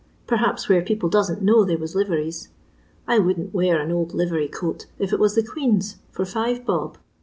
Perhaps where people doesn't know they was liveries. I wouldn t wear an old livery coat, if it was the Queen's, for five bob.